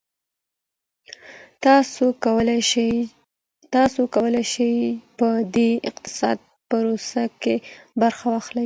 تاسو کولای شئ په دې اقتصادي پروسه کي برخه واخلئ.